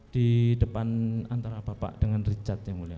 di depan antara bapak dengan richard yang mulia